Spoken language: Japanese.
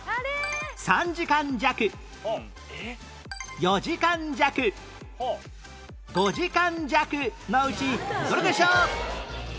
３時間弱４時間弱５時間弱のうちどれでしょう？